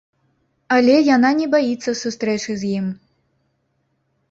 Але яна не баіцца сустрэчы з ім.